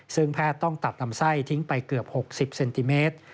ซึ่งแพทย์ต้องตัดลำไส้ทิ้งไปเกือบ๖๐เซนติเมตร